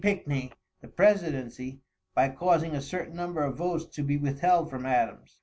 Pickney the presidency, by causing a certain number of votes to be withheld from Adams.